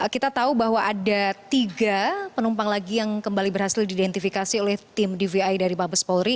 kita tahu bahwa ada tiga penumpang lagi yang kembali berhasil diidentifikasi oleh tim dvi dari mabes polri